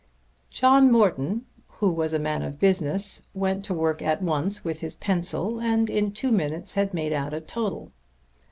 John Morton, who was a man of business, went to work at once with his pencil and in two minutes had made out a total.